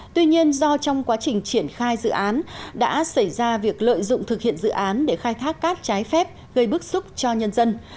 tuy nhiên do trong quá trình triển khai dự án đã xảy ra việc lợi dụng thực hiện dự án để khai thác cát trái phép gây bức xúc cho nhân dân